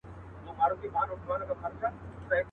هم په عمر يمه مشر هم سردار يم.